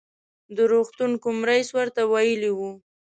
د روغتون کوم رئیس ورته ویلي و.